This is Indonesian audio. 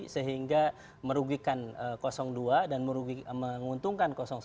sehingga merugikan dua dan menguntungkan satu